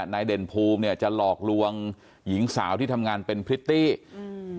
เด่นภูมิเนี้ยจะหลอกลวงหญิงสาวที่ทำงานเป็นพริตตี้อืม